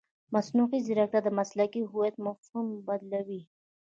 مصنوعي ځیرکتیا د مسلکي هویت مفهوم بدلوي.